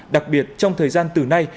đặc biệt trong thời gian từ nay